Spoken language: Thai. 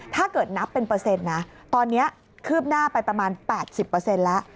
ถ้าเกิดนับเป็นเปอร์เซ็นต์นะตอนนี้คืบหน้าไปประมาณ๘๐แล้ว